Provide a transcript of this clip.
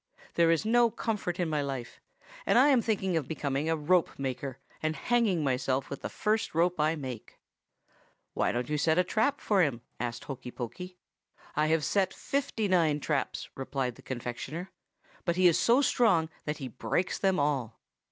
There is no comfort in my life, and I am thinking of becoming a rope maker and hanging myself with the first rope I make.' "'Why don't you set a trap for him?' asked Hokey Pokey. "'I have set fifty nine traps,' replied the confectioner, 'but he is so strong that he breaks them all.